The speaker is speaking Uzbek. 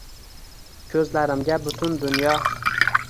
Ko’zlarimga butun dunyo